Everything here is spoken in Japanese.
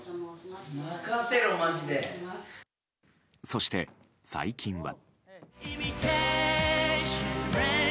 そして最近は。